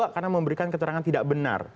karena memberikan keterangan tidak benar